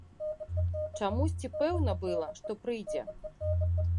Чамусьці пэўна была, што прыйдзе.